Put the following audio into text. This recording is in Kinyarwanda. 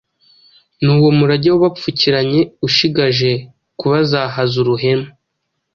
Nuwo murage wabapfukiranye ushigaje kabazahaza uruhemu,